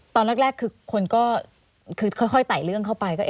ตอนแรกคือคนก็คือค่อยไต่เรื่องเข้าไป